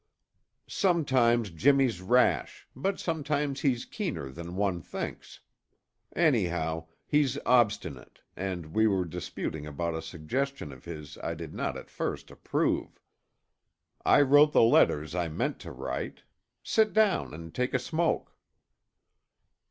"Sometimes Jimmy's rash, but sometimes he's keener than one thinks. Anyhow, he's obstinate and we were disputing about a suggestion of his I did not at first approve. I wrote the letters I meant to write. Sit down and take a smoke."